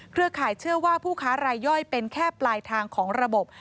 ข่ายเชื่อว่าผู้ค้ารายย่อยเป็นแค่ปลายทางของระบบ